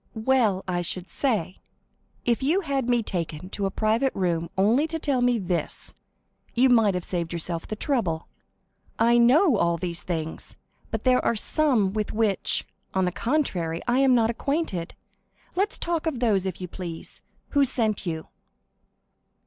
"Well, I should say! If you had me taken to a private room only to tell me this, you might have saved yourself the trouble. I know all these things. But there are some with which, on the contrary, I am not acquainted. Let us talk of those, if you please. Who sent you?"